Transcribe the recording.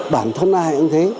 bản thân ai cũng thế